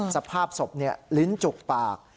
สภาพศพลิ้นจุกปาก